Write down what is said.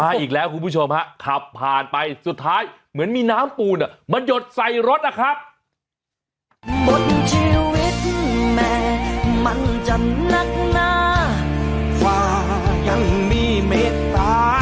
อีกแล้วคุณผู้ชมฮะขับผ่านไปสุดท้ายเหมือนมีน้ำปูนมาหยดใส่รถนะครับ